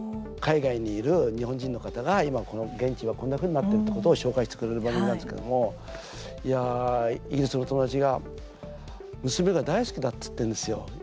海外にいる日本人の方が今この現地はこんなふうになってるってことを紹介してくれる番組なんですけれどもいやあ、イギリスの友達が娘が大好きだって言ってるんですよ。